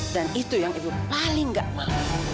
dan itu yang ibu paling nggak mau